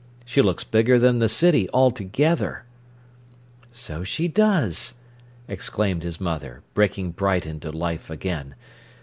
She looks bigger than the city altogether." "So she does!" exclaimed his mother, breaking bright into life again.